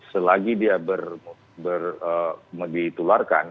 selagi dia ditularkan